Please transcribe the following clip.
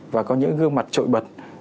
và có những gương mặt trội bật